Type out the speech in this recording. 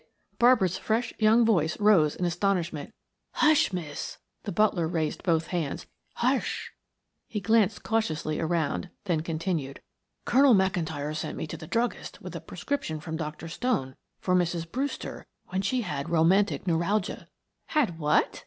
Barbara's fresh young voice rose in astonishment. "Hush, miss!" The butler raised both hands. "Hush!" He glanced cautiously around, then continued. "Colonel McIntyre sent me to the druggist with a prescription from Dr. Stone for Mrs. Brewster when she had romantic neuralgia." "Had what?"